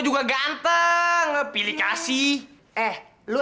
kurang itu wih